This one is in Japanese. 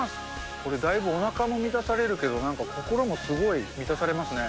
これだいぶおなかも満たされるけど、なんか心もすごい、満たされますね。